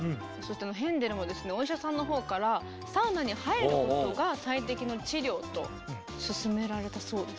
ヘンデルもですねお医者さんのほうからサウナに入ることが最適の治療と勧められたそうです。